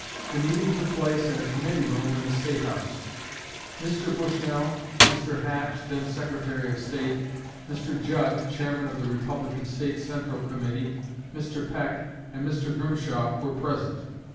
The meeting took place in a committee room in the State House. Mr. Bushnell, Mr. Hatch (then Secretary of State), Mr. Judd (Chairman of the Republican State Central Committee), Mr. Peck, and Mr. Grimshaw were present.